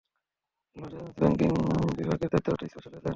Loss Angeles banking বিভাগের দায়িত্বরত special agent.